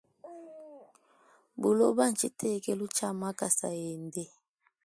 Buloba ntshitekelu tshia makasa ende.